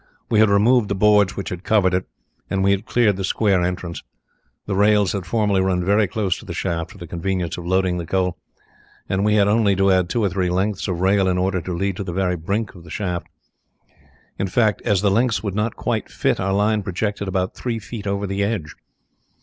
We had removed the boards which had covered it, and we had cleared the square entrance. The rails had formerly run very close to the shaft for the convenience of loading the coal, and we had only to add two or three lengths of rail in order to lead to the very brink of the shaft. In fact, as the lengths would not quite fit, our line projected about three feet over the edge.